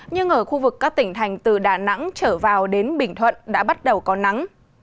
nhưng ở khu vực các tỉnh thành từ đà nẵng trở vào đến bình thuận đã bắt đầu có nắng